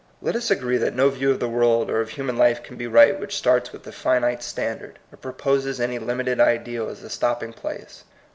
Let us agree that no view of the world or of human life can be right which starts with a finite standard, or proposes any limited ideal as a stopping place.